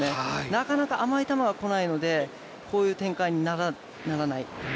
なかなか甘い球は来ないので、こういう展開にならない。